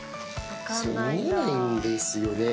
見えないんですよね。